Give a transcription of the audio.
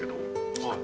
はい。